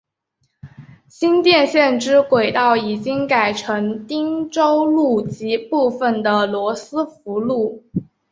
新店线之轨道已经改成汀州路及部分的罗斯福路。